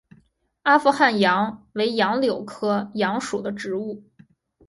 阿富汗杨为杨柳科杨属的植物。